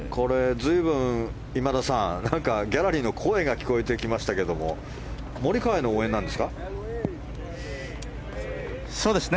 随分、今田さんギャラリーの声が聞こえてきましたけどそうですね。